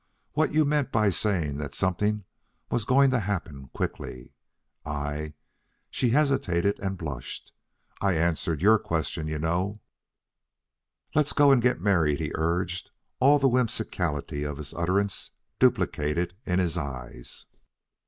What you meant by saying that something was going to happen quickly? I " She hesitated and blushed. "I answered your question, you know." "Let's go and get married," he urged, all the whimsicality of his utterance duplicated in his eyes.